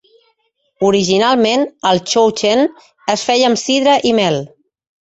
Originalment, el "chouchenn" es feia amb sidra i mel.